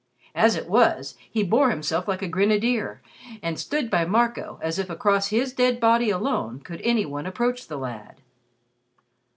As it was, he bore himself like a grenadier, and stood by Marco as if across his dead body alone could any one approach the lad.